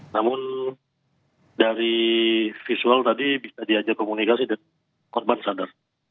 namun dari visual tadi bisa diajak komunikasi dan korban sadar